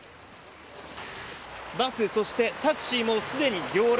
バス、そしてタクシーもすでに行列。